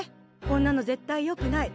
こんなの絶対よくない。